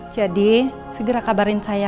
jadi segera kabarin saya